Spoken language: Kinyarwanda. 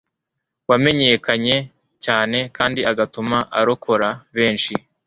wamenyekanye cyane kandi agatuma arokora besnhi